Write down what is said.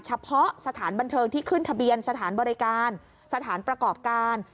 เฉพาะสถานบันเทิงที่ขึ้นทะเบียนสถานบริการสถานประกอบการ